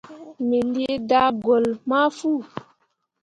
Me lii daagolle ma fu.